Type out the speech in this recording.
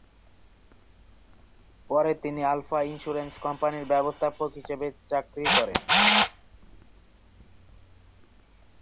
পরে তিনি Alpha insurance কোম্পানির ব্যবস্থাপক হিসেবেও চাকরি করেন।